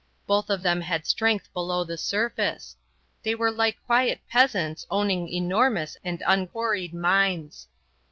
Both of them had strength below the surface; they were like quiet peasants owning enormous and unquarried mines.